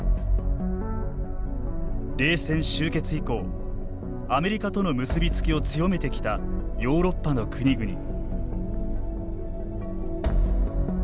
冷戦終結以降アメリカとの結び付きを強めてきたヨーロッパの国々。